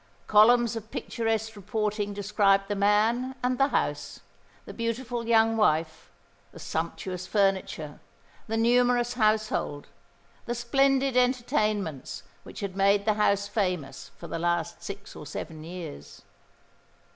Columns of picturesque reporting described the man and the house, the beautiful young wife, the sumptuous furniture, the numerous household, the splendid entertainments which had made the house famous for the last six or seven years.